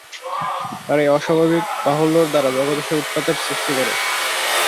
তার এই অস্বাভাবিক বাহুল্যের দ্বারা জগতে সে উৎপাতের সৃষ্টি করে।